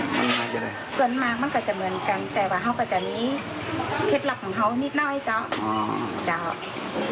ส่วนมากมันก็จะเหมือนกันแต่ว่าเขาก็จะมีเคล็ดหลักของเขานิดน้อยเจ้า